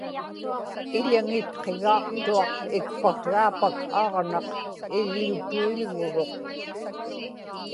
iḷaŋitqigaaqtuaq ikpaksraapak aġnaq igḷutuiḷguruq